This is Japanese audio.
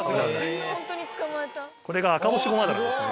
これがアカボシゴマダラですね。